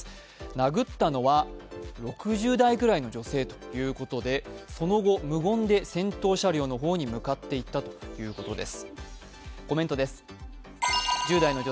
殴ったのは６０代ぐらいの女性ということでその後、無言で先頭車両の方に向かっていったということです。